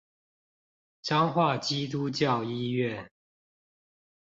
彰化基督教醫院